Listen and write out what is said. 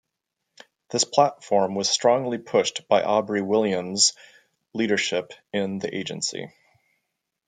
This platform was strongly pushed by Aubrey William's leadership in the agency.